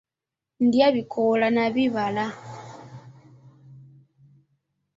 Ndya bikoola na bibala.